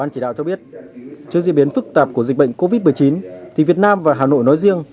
theo biết trước diễn biến phức tạp của dịch bệnh covid một mươi chín thì việt nam và hà nội nói riêng